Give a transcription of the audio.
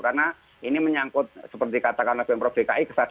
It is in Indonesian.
karena ini menyangkut seperti katakan pemprov dki